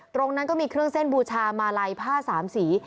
ตรงนั้นก็มีเครื่องเส้นบูชามาลัยผ้าสามสี